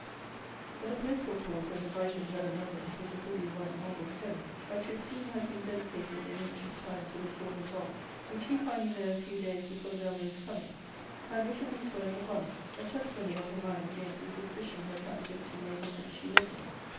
i> 138 ARCADIA,—Book Ih But the principal cause that invited her remembrance was a goodly white marble stone, that should seem had been dedi cated in ancient time to the silvan gods ; which she finding there a few days before Zelmane's coming, had written these words upon it, a testimony of her mind against the suspicion her captivity made her think she lived in.